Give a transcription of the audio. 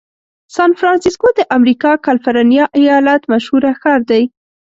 سان فرنسیسکو د امریکا کالفرنیا ایالت مشهوره ښار دی.